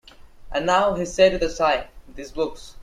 "And now," he said with a sigh, "these books."